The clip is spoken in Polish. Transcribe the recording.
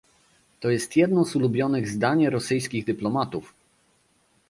To jest jedno z ulubionych zdań rosyjskich dyplomatów